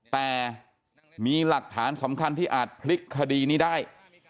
แต่มีหลักฐานสำคัญที่อาจพลิกคดีนี้ได้